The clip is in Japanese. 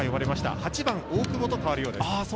８番・大久保と代わるようです。